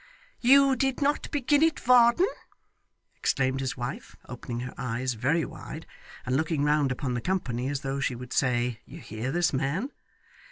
'You did not begin it, Varden!' exclaimed his wife, opening her eyes very wide and looking round upon the company, as though she would say, You hear this man!